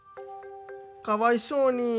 かわいそうに。